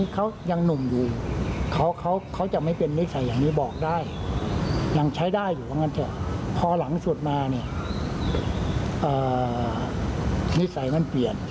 คือความปิดใส่มันเปลี่ยน